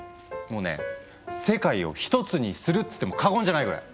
もうね世界をひとつにするっつっても過言じゃないぐらい。